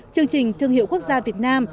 chương trình thương hiệu quốc gia việt nam